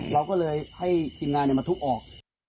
เราก็เลยให้ทีมงานมาทุบออก